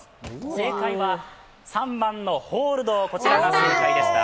世界は３回のホールド、こちらが正解でした。